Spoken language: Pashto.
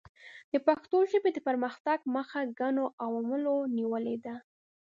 د پښتو ژبې د پرمختګ مخه ګڼو عواملو نیولې ده.